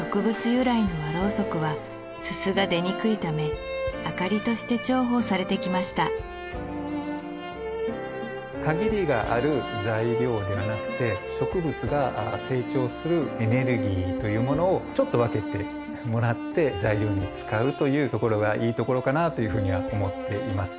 由来の和ろうそくはススが出にくいため明かりとして重宝されてきました限りがある材料ではなくて植物が成長するエネルギーというものをちょっと分けてもらって材料に使うというところがいいところかなというふうには思っています